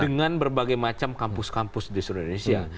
dengan berbagai macam kampus kampus di seluruh indonesia